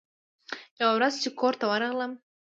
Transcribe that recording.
يوه ورځ چې کور ته ورغلم.